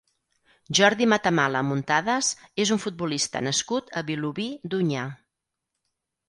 Jordi Matamala Muntadas és un futbolista nascut a Vilobí d'Onyar.